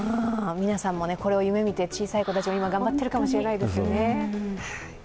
皆さんもこれを夢見て、小さい子たちも今、頑張ってるかもしれないですよね。